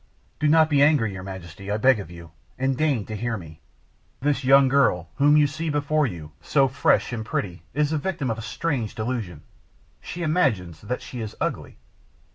"Do not be angry, your Majesty, I beg of you, and deign to hear me. This young girl whom you see before you, so fresh and pretty, is the victim of a strange delusion. She imagines that she is ugly."